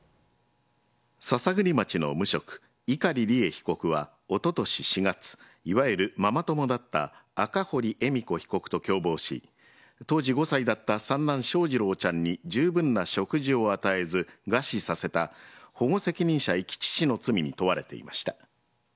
篠栗町の無職・碇利恵被告はおととし４月いわゆるママ友だった赤堀恵美子被告と共謀し当時５歳だった三男・翔士郎ちゃんに十分な食事を与えず餓死させた保護責任者遺棄致死の罪に問われていました。